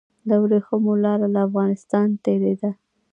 د وریښمو لاره له افغانستان تیریده